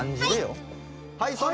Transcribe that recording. はい！